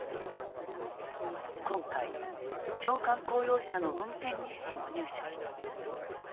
今回長官公用車の運転日誌も入手した。